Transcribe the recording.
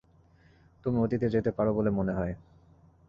তুমি অতীতে যেতে পার বলে মনে হয়।